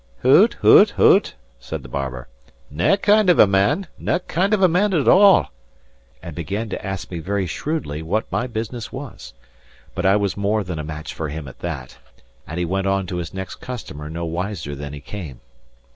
"Hoot, hoot, hoot," said the barber, "nae kind of a man, nae kind of a man at all;" and began to ask me very shrewdly what my business was; but I was more than a match for him at that, and he went on to his next customer no wiser than he came.